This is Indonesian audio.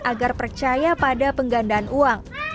agar percaya pada penggandaan uang